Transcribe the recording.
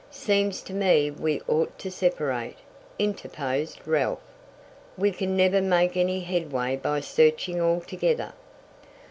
"Seems to me we ought to separate," interposed Ralph. "We can never make any headway by searching all together."